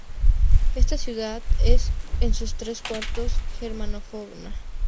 Esta ciudad es, en sus tres cuartos, germanófona.